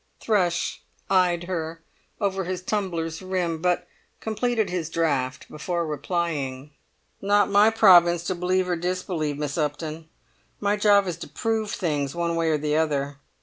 Thrush eyed her over his tumbler's rim, but completed his draught before replying. "It's not my province to believe or to disbelieve, Miss Upton; my job is to prove things one way or the other."